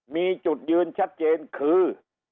มีจุดยืนชัดเจนคือ